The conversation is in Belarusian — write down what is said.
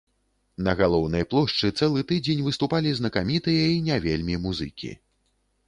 На галоўнай плошчы цэлы тыдзень выступалі знакамітыя і не вельмі музыкі.